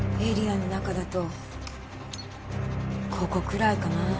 エリアの中だとここくらいかな